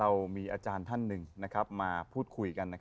เรามีอาจารย์ท่านหนึ่งมาพูดคุยกัน